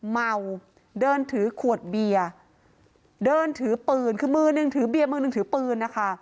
เมาเดินถือขวดเบียร์เดินถือปืนคือมือหนึ่งถือเบียร์มือหนึ่งถือปืนนะคะ